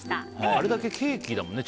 あれだけケーキだもんね。